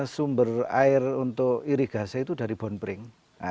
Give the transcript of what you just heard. sumber air untuk irigasi itu dari bon pring